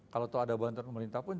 kalau tahu ada bantuan pemerintah pun